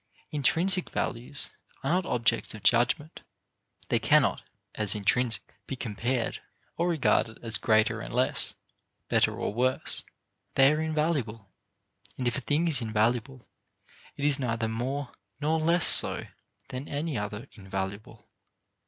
Intrinsic values are not objects of judgment, they cannot (as intrinsic) be compared, or regarded as greater and less, better or worse. They are invaluable; and if a thing is invaluable, it is neither more nor less so than any other invaluable.